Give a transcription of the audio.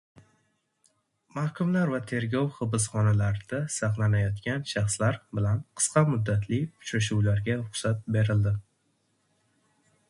Mahkumlar va tergov hibsxonalarida saqlanayotgan shaxslar bilan qisqa muddatli uchrashuvlarga ruxsat berildi